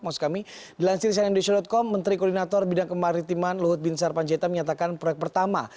maksud kami di lansirisianindustrial com menteri koordinator bidang kemaritiman luhut bin sarpanjaita menyatakan proyek pertama